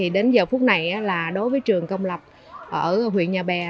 đến giờ phút này đối với trường công lập ở huyện nhà bè